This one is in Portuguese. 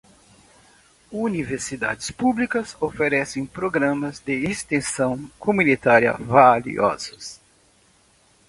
Universidades públicas oferecem programas de extensão comunitária valiosos.